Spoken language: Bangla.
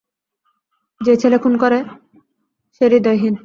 যে ছেলে করে খুন, সে হৃদয়হীন।